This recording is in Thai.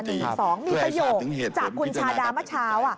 มีสโยคจากคุณชาดาเมื่อเช้า